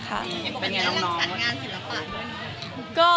เป็นยังไงน้องน้อง